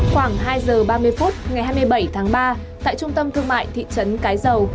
khoảng hai giờ ba mươi phút ngày hai mươi bảy tháng ba tại trung tâm thương mại thị trấn cái dầu